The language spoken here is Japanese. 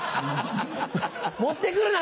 持って来るな！